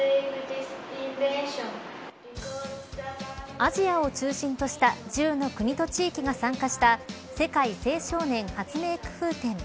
アジアを中心とした１０の国と地域が参加した世界青少年発明工夫展。